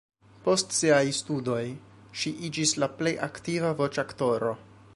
Post siaj studoj ŝi iĝis la plej aktiva voĉoaktoro.